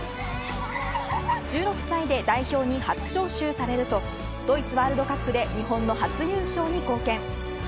１６歳で代表に初招集されるとドイツワールドカップで日本の初優勝に貢献。